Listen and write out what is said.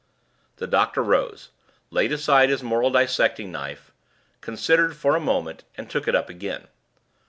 The doctor rose, laid aside his moral dissecting knife, considered for a moment, and took it up again.